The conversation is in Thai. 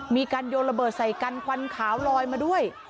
มีการโยนระเบิดใส่กันควันขาวลอยมาด้วย